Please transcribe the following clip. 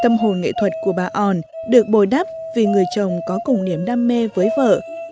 tâm hồn nghệ thuật của bà on được bồi đắp vì người chồng có cùng niềm đam mê với vợ